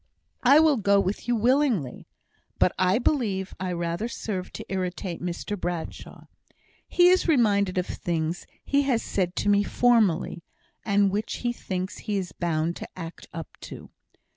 "I will go with you willingly. But I believe I rather serve to irritate Mr Bradshaw; he is reminded of things he has said to me formerly, and which he thinks he is bound to act up to.